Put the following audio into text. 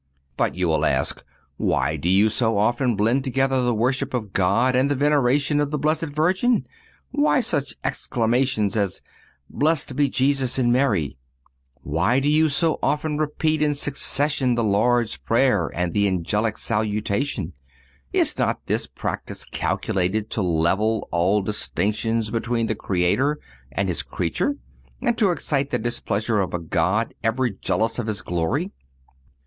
But you will ask: Why do you so often blend together the worship of God and the veneration of the Blessed Virgin? Why such exclamations as Blessed be Jesus and Mary? Why do you so often repeat in succession the Lord's prayer and the Angelical salutation? Is not this practice calculated to level all distinctions between the Creator and His creature, and to excite the displeasure of a God ever jealous of His glory?